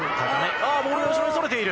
あー、ボールが後ろにそれている。